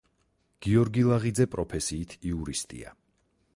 გიორგი ლაღიძე პროფესიით იურისტია.